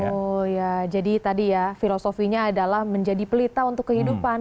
oh ya jadi tadi ya filosofinya adalah menjadi pelita untuk kehidupan